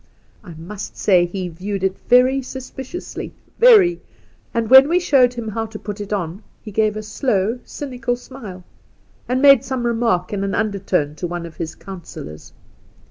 I must say he viewed it very suspiciously — very! — and when we showed him how to put it on, he gave a slow, cynical smilei, and made some remark in an undertone to one of his councillors.